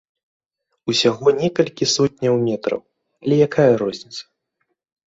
Усяго некалькі сотняў метраў, але якая розніца.